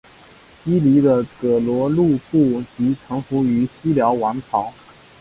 伊犁的葛逻禄部即臣服于西辽王朝。